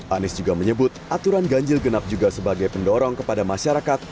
anies juga menyebut aturan ganjil genap juga sebagai pendorong kepada masyarakat